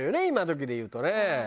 今どきでいうとね。